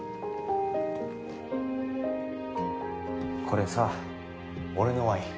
これさ俺のワイン。